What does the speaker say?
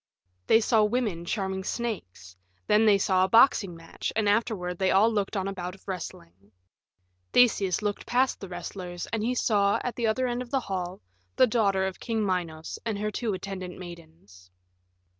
They saw women charming snakes; then they saw a boxing match, and afterward they all looked on a bout of wrestling. Theseus looked past the wrestlers and he saw, at the other end of the hall, the daughter of King Minos and her two attendant maidens.